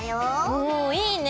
おいいね。